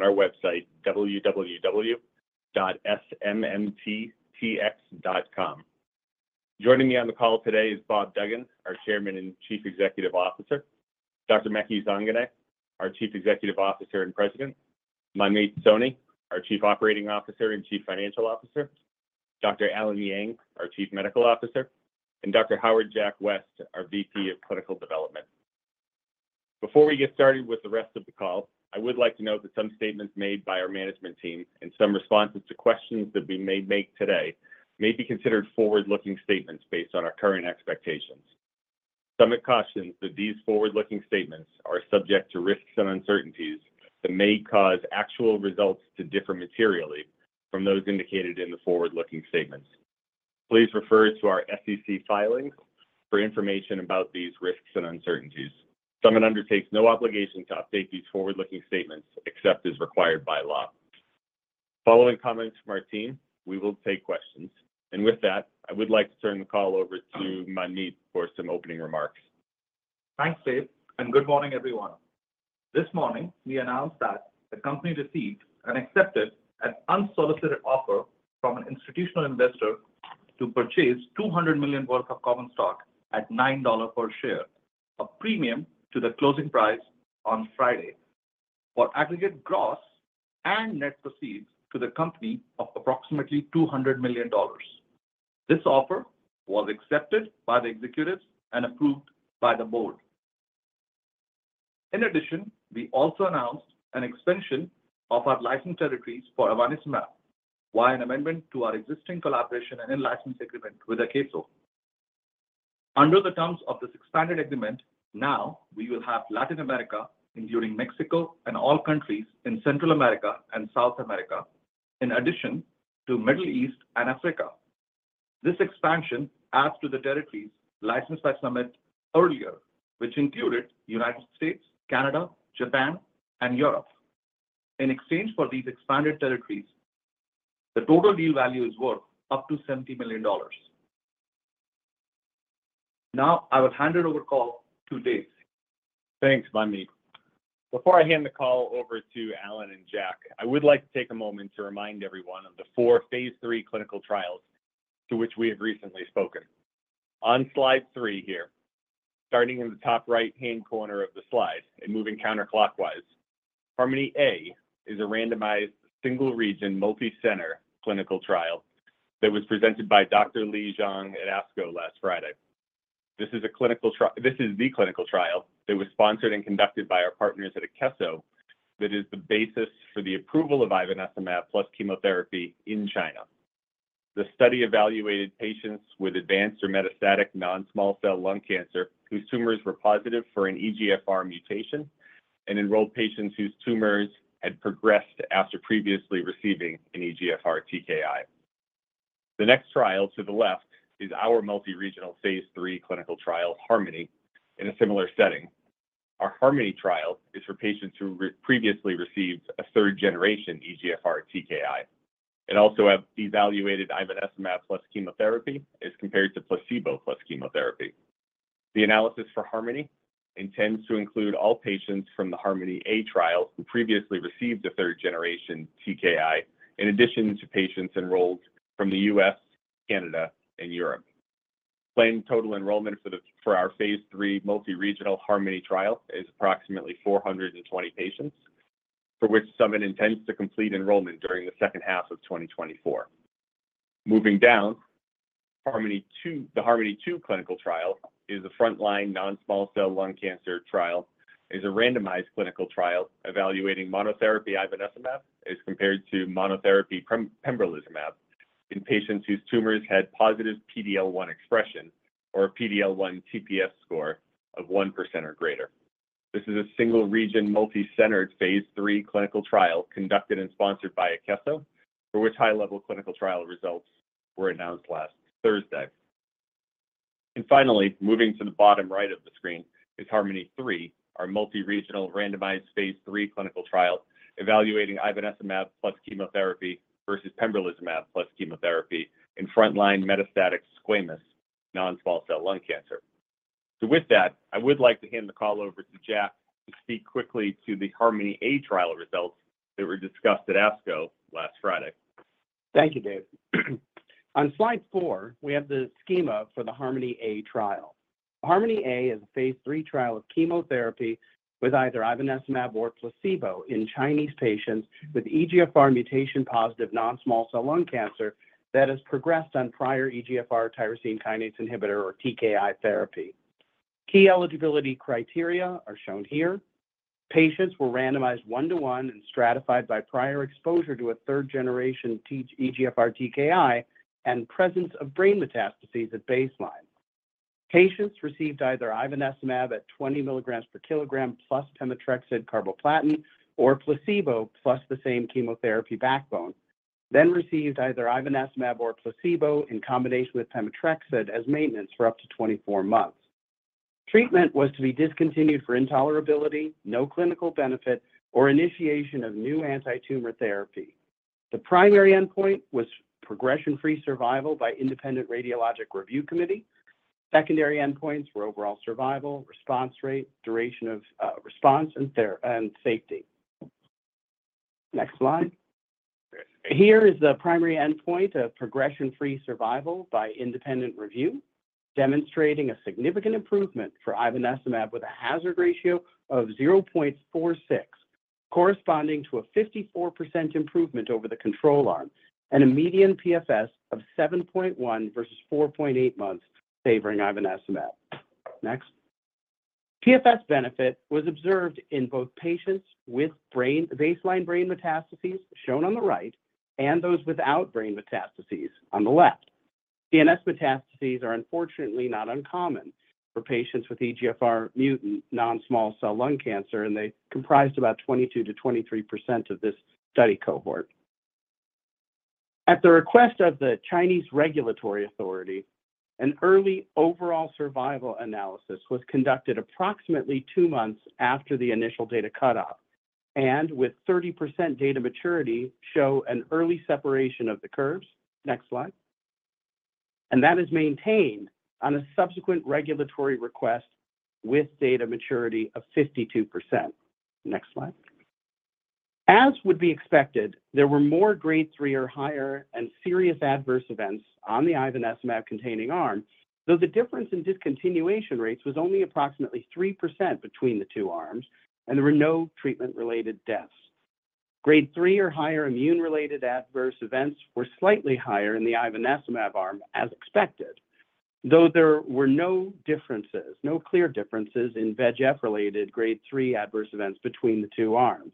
will also be made available later today on our website, www.smmttx.com. Joining me on the call today is Bob Duggan, our Chairman and Chief Executive Officer, Dr. Maky Zanganeh, our Chief Executive Officer and President, Manmeet Soni, our Chief Operating Officer and Chief Financial Officer, Dr. Allen Yang, our Chief Medical Officer, and Dr. H. Jack West, our VP of Clinical Development. Before we get started with the rest of the call, I would like to note that some statements made by our management team and some responses to questions that we may make today may be considered forward-looking statements based on our current expectations. Summit cautions that these forward-looking statements are subject to risks and uncertainties that may cause actual results to differ materially from those indicated in the forward-looking statements. Please refer to our SEC filings for information about these risks and uncertainties. Summit undertakes no obligation to update these forward-looking statements except as required by law. Following comments from our team, we will take questions. With that, I would like to turn the call over to Manmeet for some opening remarks. Thanks, Dave, and good morning, everyone. This morning, we announced that the company received and accepted an unsolicited offer from an institutional investor to purchase 200 million worth of common stock at $9 per share, a premium to the closing price on Friday, for aggregate gross and net proceeds to the company of approximately $200 million. This offer was accepted by the executives and approved by the board. In addition, we also announced an extension of our license territories for ivonescimab, via an amendment to our existing collaboration and license agreement with Akeso. Under the terms of this expanded agreement, now we will have Latin America, including Mexico and all countries in Central America and South America, in addition to Middle East and Africa. This expansion adds to the territories licensed by Summit earlier, which included United States, Canada, Japan, and Europe. In exchange for these expanded territories, the total deal value is worth up to $70 million. Now, I will hand the call over to Dave. Thanks, Manmeet. Before I hand the call over to Allen and Jack, I would like to take a moment to remind everyone of the four Phase III clinical trials to which we have recently spoken. On slide three here, starting in the top right-hand corner of the slide and moving counterclockwise, HARMONi-A is a randomized, single-region, multicenter clinical trial that was presented by Dr. Li Zhang at ASCO last Friday. This is the clinical trial that was sponsored and conducted by our partners at Akeso that is the basis for the approval of ivonescimab plus chemotherapy in China. The study evaluated patients with advanced or metastatic non-small cell lung cancer, whose tumors were positive for an EGFR mutation, and enrolled patients whose tumors had progressed after previously receiving an EGFR TKI. The next trial to the left is our multi-regional phase III clinical trial, HARMONi, in a similar setting. Our HARMONi trial is for patients who previously received a third-generation EGFR TKI. It also have evaluated ivonescimab plus chemotherapy as compared to placebo plus chemotherapy. The analysis for HARMONi intends to include all patients from the HARMONi-A trial who previously received a third-generation TKI, in addition to patients enrolled from the US, Canada, and Europe. Planned total enrollment for our phase III multi-regional HARMONi trial is approximately 420 patients, for which Summit intends to complete enrollment during the second half of 2024. Moving down, HARMONi-2, the HARMONi-2 clinical trial is a frontline non-small cell lung cancer trial, is a randomized clinical trial evaluating monotherapy ivonescimab as compared to monotherapy pembrolizumab in patients whose tumors had positive PD-L1 expression or a PD-L1 TPS score of 1% or greater. This is a single-region, multi-centered phase III clinical trial conducted and sponsored by Akeso, for which high-level clinical trial results were announced last Thursday. And finally, moving to the bottom right of the screen is HARMONi-3, our multi-regional randomized phase III clinical trial, evaluating ivonescimab plus chemotherapy versus pembrolizumab plus chemotherapy in frontline metastatic squamous non-small cell lung cancer. So with that, I would like to hand the call over to Jack to speak quickly to the HARMONi-A trial results that were discussed at ASCO last Friday. Thank you, Dave. On slide four, we have the schema for the HARMONi-A trial. HARMONi-A is a phase III trial of chemotherapy with either ivonescimab or placebo in Chinese patients with EGFR mutation-positive non-small cell lung cancer that has progressed on prior EGFR tyrosine kinase inhibitor or TKI therapy. Key eligibility criteria are shown here. Patients were randomized 1:1 and stratified by prior exposure to a third-generation EGFR TKI and presence of brain metastases at baseline. Patients received either ivonescimab at 20 milligrams per kilogram plus pemetrexed carboplatin, or placebo plus the same chemotherapy backbone, then received either ivonescimab or placebo in combination with pemetrexed as maintenance for up to 24 months. Treatment was to be discontinued for intolerability, no clinical benefit, or initiation of new antitumor therapy. The primary endpoint was progression-free survival by independent radiologic review committee. Secondary endpoints were overall survival, response rate, duration of response, and safety. Next slide. Here is the primary endpoint of progression-free survival by independent review, demonstrating a significant improvement for ivonescimab with a hazard ratio of 0.46, corresponding to a 54% improvement over the control arm and a median PFS of 7.1 versus 4.8 months, favoring ivonescimab. Next. PFS benefit was observed in both patients with baseline brain metastases, shown on the right, and those without brain metastases on the left. CNS metastases are unfortunately not uncommon for patients with EGFR mutant non-small cell lung cancer, and they comprised about 22%-23% of this study cohort. At the request of the Chinese Regulatory Authority, an early overall survival analysis was conducted approximately two months after the initial data cutoff, and with 30% data maturity, show an early separation of the curves. Next slide. That is maintained on a subsequent regulatory request with data maturity of 52%. Next slide. As would be expected, there were more Grade 3 or higher and serious adverse events on the ivonescimab-containing arm, though the difference in discontinuation rates was only approximately 3% between the two arms, and there were no treatment-related deaths. Grade three or higher immune-related adverse events were slightly higher in the ivonescimab arm, as expected, though there were no differences, no clear differences in VEGF-related Grade 3 adverse events between the two arms.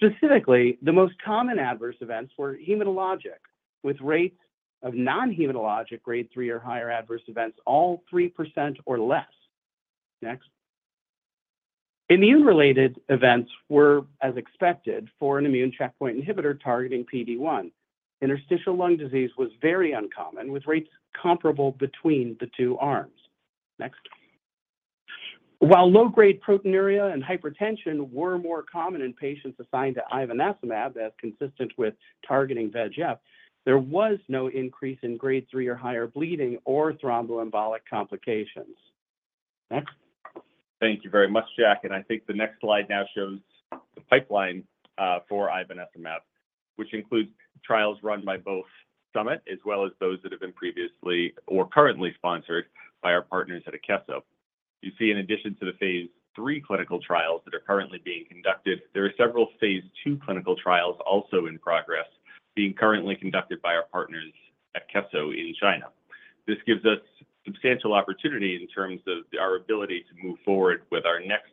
Next. Specifically, the most common adverse events were hematologic, with rates of non-hematologic Grade three or higher adverse events, all 3% or less. Next. Immune-related events were as expected for an immune checkpoint inhibitor targeting PD-1. Interstitial lung disease was very uncommon, with rates comparable between the two arms. Next. While low-grade proteinuria and hypertension were more common in patients assigned to ivonescimab, as consistent with targeting VEGF, there was no increase in Grade three or higher bleeding or thromboembolic complications. Next. Thank you very much, Jack, and I think the next slide now shows the pipeline for ivonescimab, which includes trials run by both Summit, as well as those that have been previously or currently sponsored by our partners at Akeso. You see, in addition to the phase III clinical trials that are currently being conducted, there are several phase II clinical trials also in progress, being currently conducted by our partners at Akeso in China. This gives us substantial opportunity in terms of our ability to move forward with our next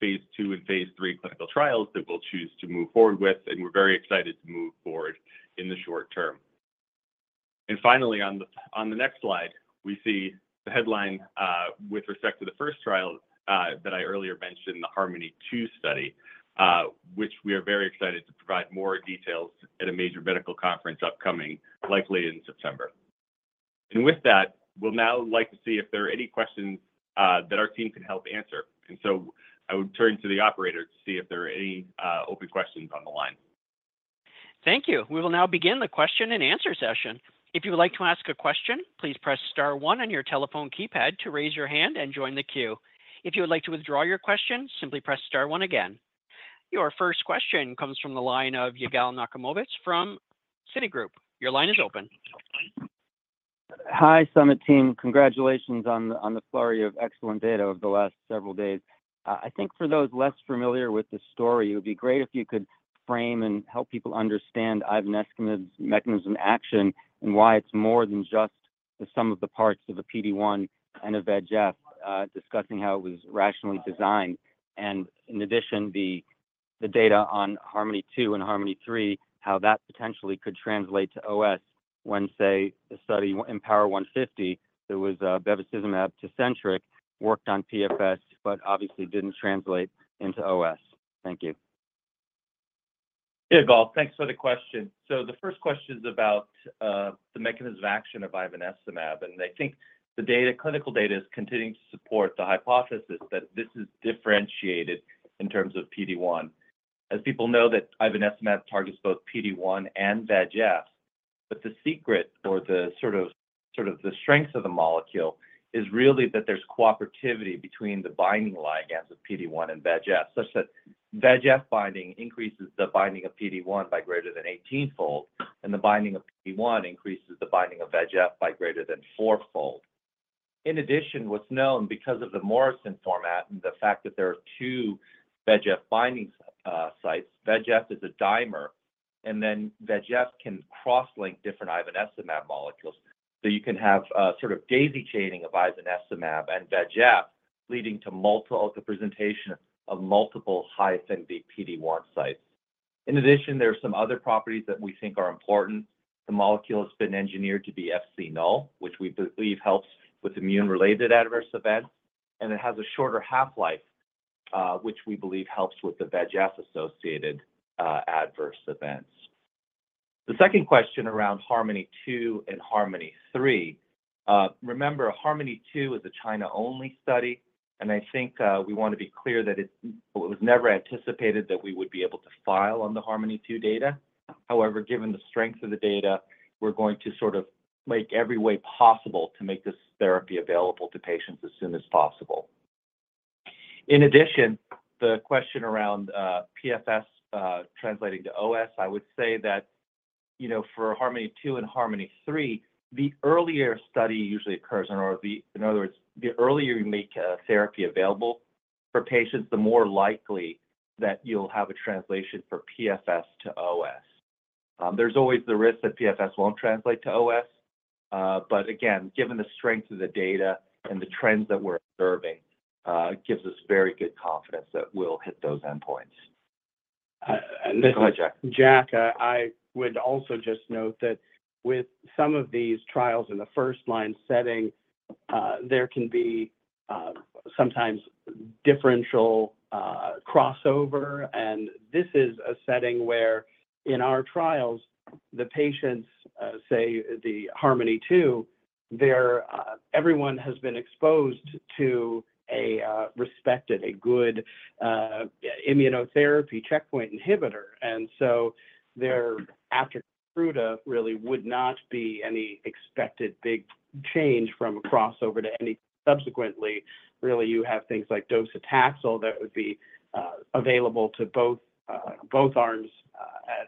phase II and phase III clinical trials that we'll choose to move forward with, and we're very excited to move forward in the short term. And finally, on the, on the next slide, we see the headline, with respect to the first trial, that I earlier mentioned, the HARMONi-2 study, which we are very excited to provide more details at a major medical conference upcoming, likely in September. And with that, we'll now like to see if there are any questions, that our team can help answer. And so I would turn to the operator to see if there are any, open questions on the line. Thank you. We will now begin the question-and-answer session. If you would like to ask a question, please press star one on your telephone keypad to raise your hand and join the queue. If you would like to withdraw your ques tion, simply press star one again. Your first question comes from the line of Yigal Nochomovitz from Citigroup. Your line is open. Hi, Summit team. Congratulations on the, on the flurry of excellent data over the last several days. I think for those less familiar with this story, it would be great if you could frame and help people understand ivonescimab's mechanism action and why it's more than just the sum of the parts of a PD-1 and a VEGF, discussing how it was rationally designed. And in addition, the, the data on HARMONi-2 and HARMONi-3, how that potentially could translate to OS when, say, a study in IMpower150, there was, bevacizumab Tecentriq, worked on PFS, but obviously didn't translate into OS. Thank you. Hey, Yigal. Thanks for the question. So the first question is about the mechanism of action of ivonescimab, and I think the data, clinical data is continuing to support the hypothesis that this is differentiated in terms of PD-1. As people know that ivonescimab targets both PD-1 and VEGF, but the secret or the sort of the strength of the molecule is really that there's cooperativity between the binding ligands of PD-1 and VEGF, such that VEGF binding increases the binding of PD-1 by greater than 18-fold, and the binding of PD-1 increases the binding of VEGF by greater than four-fold. In addition, what's known because of the Morrison format and the fact that there are two VEGF binding sites, VEGF is a dimer, and then VEGF can cross-link different ivonescimab molecules. So you can have sort of daisy chaining of ivonescimab and VEGF, leading to multiple, the presentation of multiple high-affinity PD-1 sites. In addition, there are some other properties that we think are important. The molecule has been engineered to be Fc null, which we believe helps with immune-related adverse events, and it has a shorter half-life, which we believe helps with the VEGF-associated adverse events. The second question around HARMONi-2 and HARMONi-3, remember, HARMONi-2 is a China-only study, and I think, we want to be clear that it, it was never anticipated that we would be able to file on the HARMONi-2 data. However, given the strength of the data, we're going to sort of make every way possible to make this therapy available to patients as soon as possible. In addition, the question around PFS translating to OS, I would say that, you know, for HARMONi-2 and HARMONi-3, in other words, the earlier you make a therapy available for patients, the more likely that you'll have a translation for PFS to OS. There's always the risk that PFS won't translate to OS, but again, given the strength of the data and the trends that we're observing, it gives us very good confidence that we'll hit those endpoints. And go ahead, Jack. Jack, I would also just note that with some of these trials in the first line setting, there can be sometimes differential crossover. And this is a setting where in our trials, the patients say the HARMONi-2, they're everyone has been exposed to a respected, a good immunotherapy checkpoint inhibitor. And so they're after Keytruda really would not be any expected big change from a crossover to any. Subsequently, really you have things like docetaxel that would be available to both arms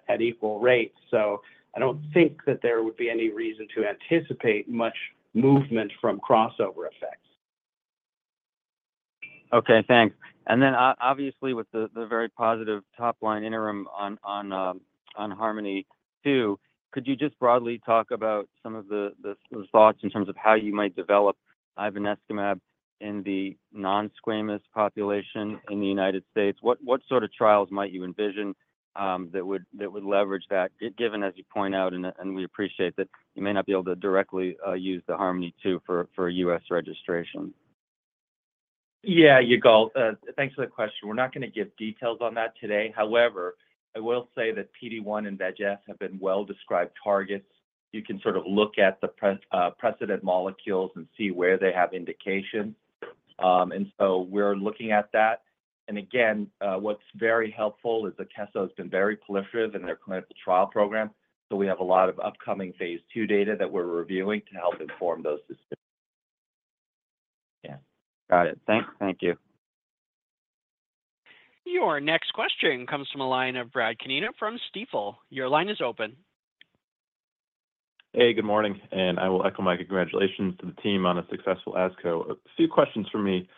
at equal rates. So I don't think that there would be any reason to anticipate much movement from crossover effects. Okay, thanks. And then obviously, with the very positive top line interim on HARMONi-2, could you just broadly talk about some of those thoughts in terms of how you might develop ivonescimab in the non-squamous population in the United States? What sort of trials might you envision that would leverage that, given, as you point out, and we appreciate that you may not be able to directly use the HARMONi-2 for U.S. registration? Yeah, Yigal, thanks for the question. We're not going to give details on that today. However, I will say that PD-1 and VEGF have been well-described targets. You can sort of look at the precedent molecules and see where they have indication. And so we're looking at that. And again, what's very helpful is that Akeso has been very prolific in their clinical trial program, so we have a lot of upcoming phase II data that we're reviewing to help inform those decisions. Yeah. Got it. Thank you. Your next question comes from a line of Bradley Canino from Stifel. Your line is open. Hey, good morning, and I will echo my congratulations to the team on a successful ASCO. A few questions from me.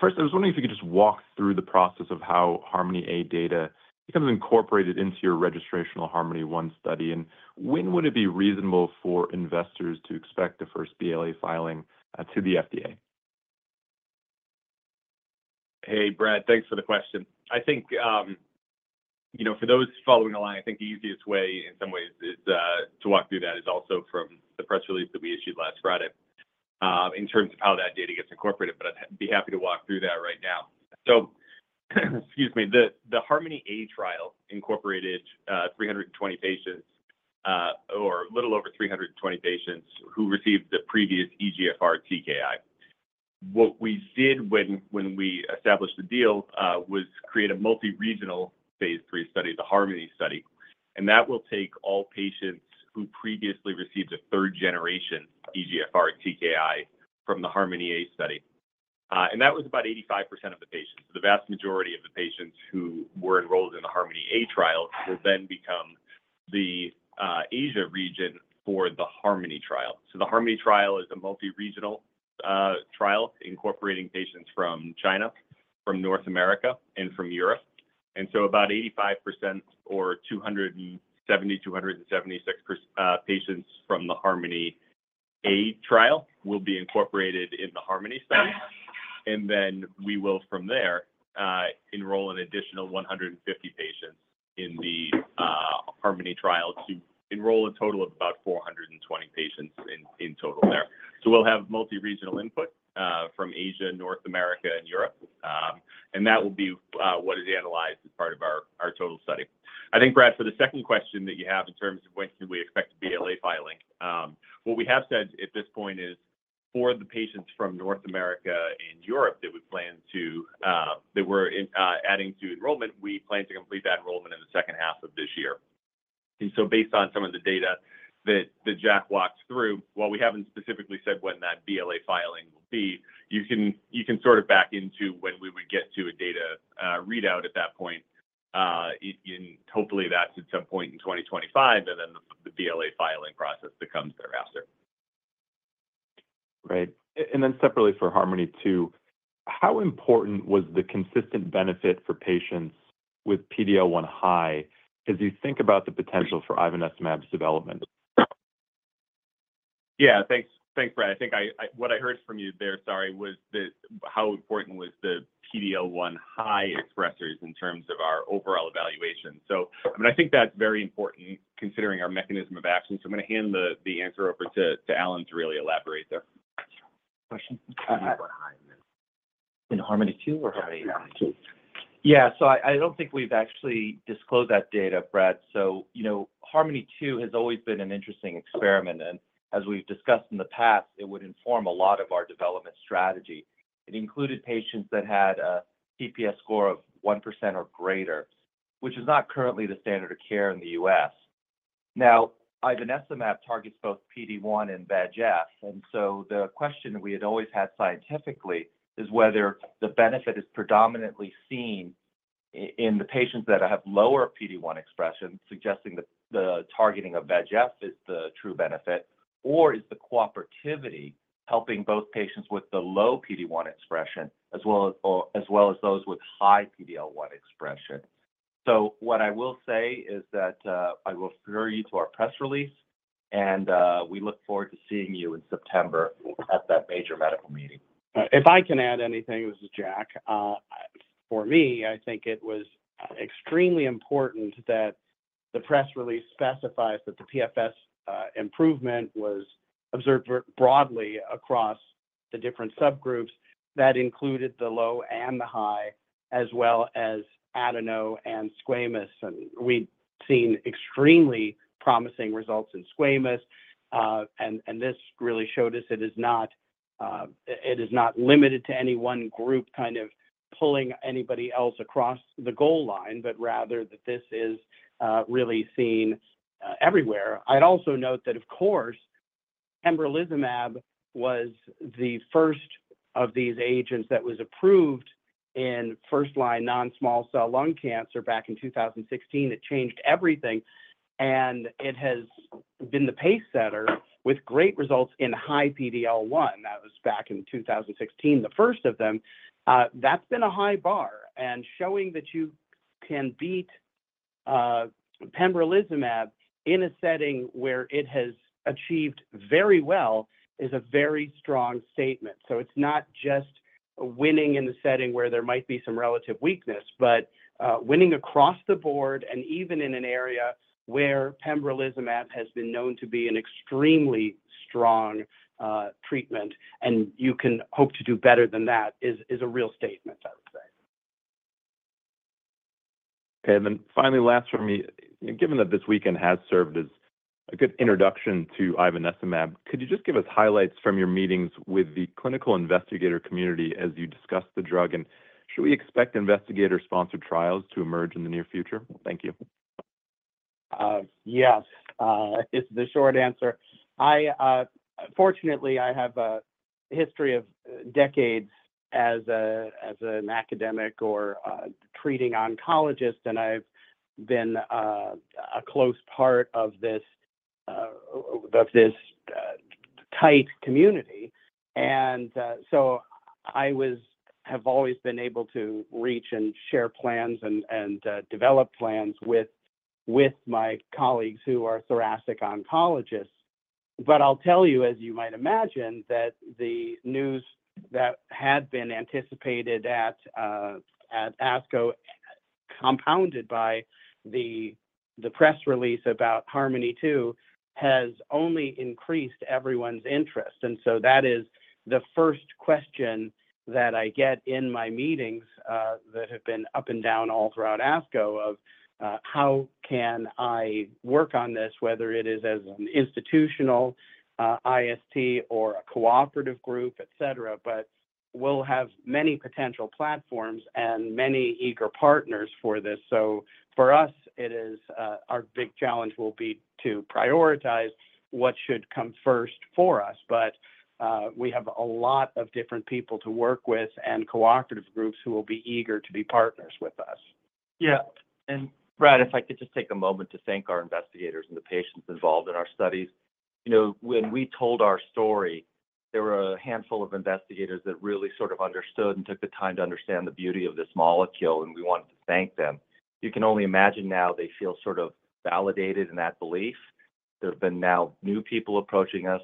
First, I was wondering if you could just walk through the process of how HARMONi-A data becomes incorporated into your registrational HARMONi-1 study, and when would it be reasonable for investors to expect the first BLA filing to the FDA? Hey, Brad, thanks for the question. I think, you know, for those following along, I think the easiest way, in some ways, is to walk through that is also from the press release that we issued last Friday, in terms of how that data gets incorporated. But I'd be happy to walk through that right now. So, excuse me, the HARMONi-A trial incorporated 320 patients, or a little over 320 patients who received the previous EGFR TKI. What we did when we established the deal was create a multi-regional Phase III study, the HARMONi study, and that will take all patients who previously received a third-generation EGFR TKI from the HARMONi-A study. And that was about 85% of the patients. The vast majority of the patients who were enrolled in the HARMONi-A trial will then become the Asia region for the HARMONi trial. So the HARMONi trial is a multi-regional trial, incorporating patients from China, from North America, and from Europe. And so about 85% or 276 patients from the HARMONi-A trial will be incorporated in the HARMONi study. And then we will, from there, enroll an additional 150 patients in the HARMONi trial to enroll a total of about 420 patients in total there. So we'll have multi-regional input from Asia, North America, and Europe. And that will be what is analyzed as part of our total study. I think, Brad, for the second question that you have in terms of when can we expect BLA filing? What we have said at this point is, for the patients from North America and Europe that we plan to, that we're adding to enrollment, we plan to complete that enrollment in the second half of this year. And so based on some of the data that, that Jack walked through, while we haven't specifically said when that BLA filing will be, you can, you can sort of back into when we would get to a data readout at that point. And hopefully, that's at some point in 2025, and then the, the BLA filing process that comes thereafter. Right. And then separately for HARMONi-2, how important was the consistent benefit for patients with PD-L1 high as you think about the potential for ivonescimab's development? Yeah, thanks. Thanks, Brad. I think... What I heard from you there, sorry, was how important was the PD-L1 high expressers in terms of our overall evaluation? So I mean, I think that's very important considering our mechanism of action. So I'm going to hand the answer over to Allen to really elaborate there. Question?... In HARMONi-2 or HARMONi? Yeah, 2. Yeah, so I don't think we've actually disclosed that data, Brad. So, you know, HARMONi-2 has always been an interesting experiment, and as we've discussed in the past, it would inform a lot of our development strategy. It included patients that had a TPS score of 1% or greater, which is not currently the standard of care in the U.S. Now, ivonescimab targets both PD-1 and VEGF, and so the question we had always had scientifically is whether the benefit is predominantly seen in the patients that have lower PD-1 expression, suggesting that the targeting of VEGF is the true benefit, or is the cooperativity helping both patients with the low PD-1 expression, as well as, or as well as those with high PD-L1 expression? What I will say is that I will refer you to our press release, and we look forward to seeing you in September at that major medical meeting. If I can add anything, this is Jack. For me, I think it was extremely important that the press release specifies that the PFS improvement was observed broadly across the different subgroups. That included the low and the high, as well as adeno and squamous, and we'd seen extremely promising results in Squamous. And this really showed us it is not, it is not limited to any one group kind of pulling anybody else across the goal line, but rather that this is really seen everywhere. I'd also note that, of course, pembrolizumab was the first of these agents that was approved in first-line non-small cell lung cancer back in 2016. It changed everything, and it has been the pace setter with great results in high PD-L1. That was back in 2016, the first of them. That's been a high bar, and showing that you can beat pembrolizumab in a setting where it has achieved very well is a very strong statement. So it's not just winning in the setting where there might be some relative weakness, but winning across the board and even in an area where pembrolizumab has been known to be an extremely strong treatment, and you can hope to do better than that is a real statement, I would say. Okay, and then finally, last for me. Given that this weekend has served as a good introduction to ivonescimab, could you just give us highlights from your meetings with the clinical investigator community as you discussed the drug? And should we expect investigator-sponsored trials to emerge in the near future? Thank you. Yes, is the short answer. I fortunately have a history of decades as an academic or a treating oncologist, and I've been a close part of this tight community. So I have always been able to reach and share plans and develop plans with my colleagues who are thoracic oncologists. But I'll tell you, as you might imagine, that the news that had been anticipated at ASCO, compounded by the press release about HARMONi-2, has only increased everyone's interest. And so that is the first question that I get in my meetings that have been up and down all throughout ASCO of, "How can I work on this, whether it is as an institutional IST or a cooperative group, et cetera?" But we'll have many potential platforms and many eager partners for this. So for us, it is, our big challenge will be to prioritize what should come first for us. But we have a lot of different people to work with and cooperative groups who will be eager to be partners with us. Yeah, and Brad, if I could just take a moment to thank our investigators and the patients involved in our studies. You know, when we told our story, there were a handful of investigators that really sort of understood and took the time to understand the beauty of this molecule, and we wanted to thank them. You can only imagine now they feel sort of validated in that belief. There have been now new people approaching us.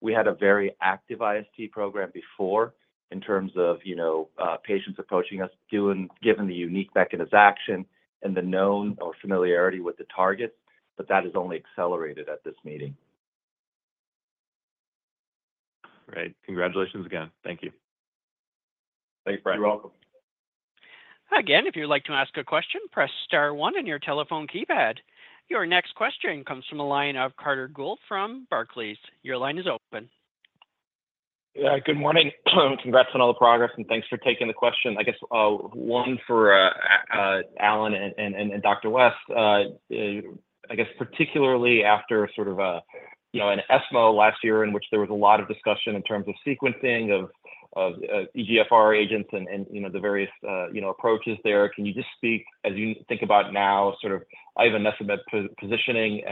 We had a very active IST program before in terms of, you know, patients approaching us, given, given the unique mechanism action and the known or familiarity with the targets, but that has only accelerated at this meeting. Great. Congratulations again. Thank you. Thanks, Brad. You're welcome. Again, if you'd like to ask a question, press star one on your telephone keypad. Your next question comes from the line of Carter Gould from Barclays. Your line is open. Good morning. Congrats on all the progress, and thanks for taking the question. I guess one for Allen and Dr. West. I guess particularly after sort of, you know, in ESMO last year, in which there was a lot of discussion in terms of sequencing of EGFR agents and, you know, the various approaches there. Can you just speak as you think about now, sort of ivonescimab positioning,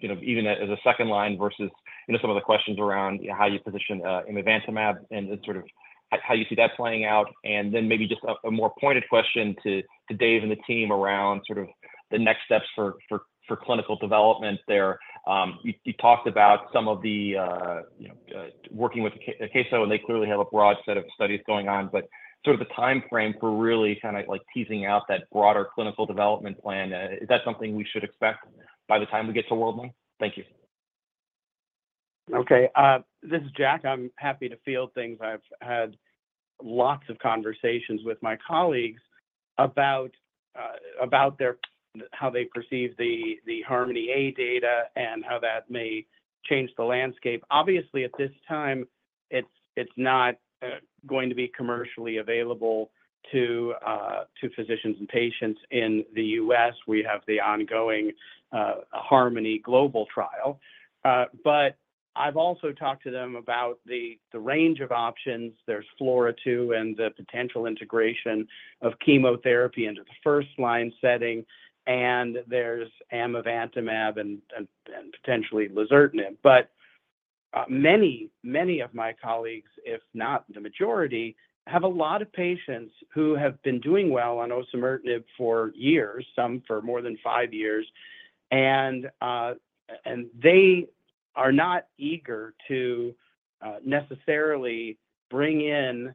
you know, even as a second line versus, you know, some of the questions around, you know, how you position amivantamab and sort of how you see that playing out? And then maybe just a more pointed question to Dave and the team around sort of the next steps for clinical development there. You talked about some of the, you know, working with the Akeso, and they clearly have a broad set of studies going on. But sort of the timeframe for really kind of like teasing out that broader clinical development plan, is that something we should expect by the time we get to World Lung? Thank you. ... Okay, this is Jack. I'm happy to field things. I've had lots of conversations with my colleagues about their how they perceive the HARMONi-A data and how that may change the landscape. Obviously, at this time, it's not going to be commercially available to physicians and patients in the US. We have the ongoing HARMONi global trial. But I've also talked to them about the range of options. There's FLAURA2 and the potential integration of chemotherapy into the first-line setting, and there's amivantamab and potentially lazertinib. But, many, many of my colleagues, if not the majority, have a lot of patients who have been doing well on osimertinib for years, some for more than five years, and they are not eager to necessarily bring in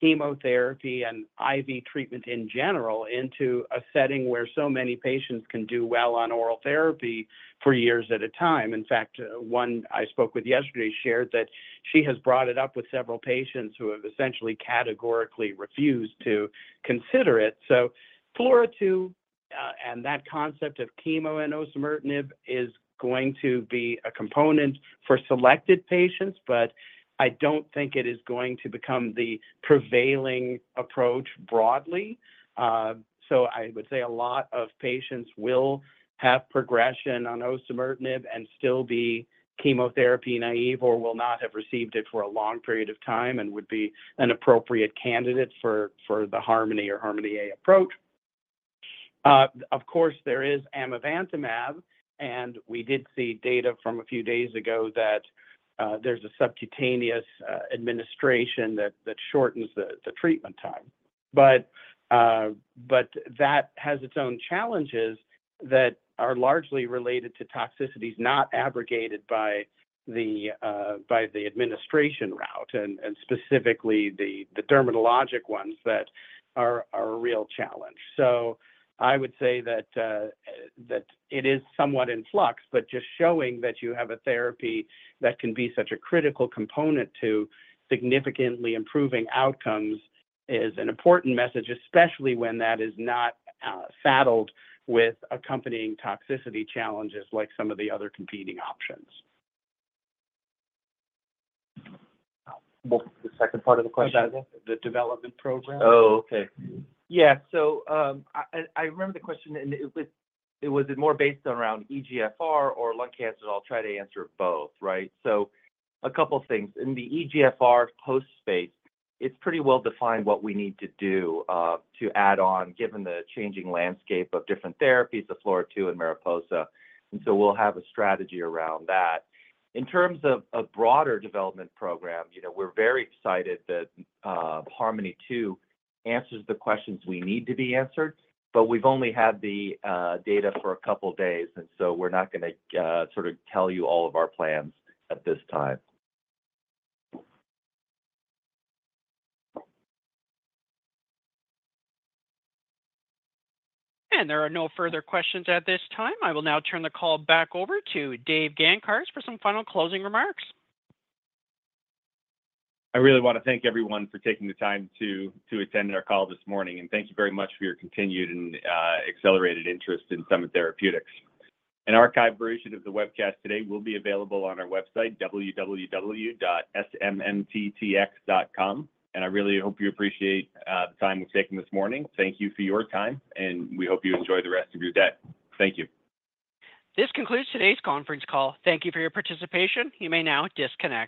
chemotherapy and IV treatment in general into a setting where so many patients can do well on oral therapy for years at a time. In fact, one I spoke with yesterday shared that she has brought it up with several patients who have essentially categorically refused to consider it. So FLAURA2, and that concept of chemo and osimertinib is going to be a component for selected patients, but I don't think it is going to become the prevailing approach broadly. So I would say a lot of patients will have progression on osimertinib and still be chemotherapy naive or will not have received it for a long period of time and would be an appropriate candidate for the HARMONi or HARMONi-A approach. Of course, there is amivantamab, and we did see data from a few days ago that there's a subcutaneous administration that shortens the treatment time. But that has its own challenges that are largely related to toxicities not abrogated by the administration route, and specifically, the dermatologic ones that are a real challenge. I would say that it is somewhat in flux, but just showing that you have a therapy that can be such a critical component to significantly improving outcomes is an important message, especially when that is not saddled with accompanying toxicity challenges like some of the other competing options. What's the second part of the question again? The development program. Oh, okay. Yeah, so, I remember the question, and it was it more based around EGFR or lung cancer? I'll try to answer both, right? So a couple things. In the EGFR post space, it's pretty well-defined what we need to do to add on, given the changing landscape of different therapies, the FLAURA2 and MARIPOSA, and so we'll have a strategy around that. In terms of a broader development program, you know, we're very excited that HARMONi-2 answers the questions we need to be answered, but we've only had the data for a couple of days, and so we're not going to sort of tell you all of our plans at this time. There are no further questions at this time. I will now turn the call back over to Dave Gancarz for some final closing remarks. I really want to thank everyone for taking the time to attend our call this morning, and thank you very much for your continued and accelerated interest in Summit Therapeutics. An archived version of the webcast today will be available on our website, www.smmttx.com, and I really hope you appreciate the time we've taken this morning. Thank you for your time, and we hope you enjoy the rest of your day. Thank you. This concludes today's conference call. Thank you for your participation. You may now disconnect.